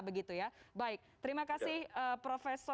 baik terima kasih prof